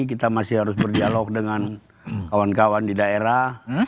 kita masih harus berdialog dengan kawan kawan di daerah